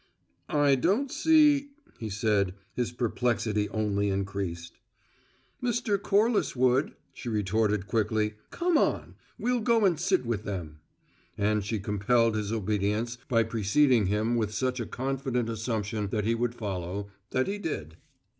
"I don't see," he said, his perplexity only increased. "Mr. Corliss would," she retorted quickly. "Come on: we'll go and sit with them." And she compelled his obedience by preceding him with such a confident assumption that he would follow that he did.